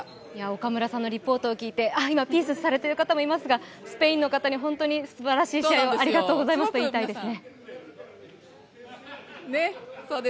岡村さんのリポートを聞いて、今、ピースされている方がいますがスペインの方に、すばらしい試合をありがとうございますと言いたいですね。